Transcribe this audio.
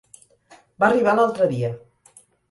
Va arribar l'altre dia.